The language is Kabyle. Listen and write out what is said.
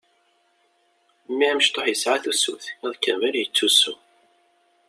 Mmi amecṭuḥ yesɛa tusut, iḍ kamel yettusu.